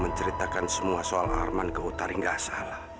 menceritakan semua soal arman ke hutari gak salah